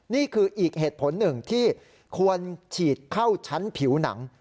นี่คืออีกเหตุผลหนึ่งที่ควรฉีดเข้าชั้นผิวหนัง